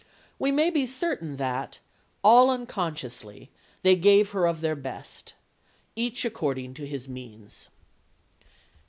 We may be certain that, all unconsciously, they gave her of their best, each according to his means.